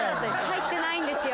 入ってないんですよ。